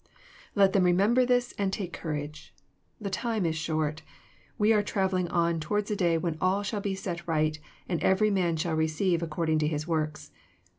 Let them remember this and take courage. The time is short* We are travelling on towards a day when all shall be set right, and every man shall receive according to his works.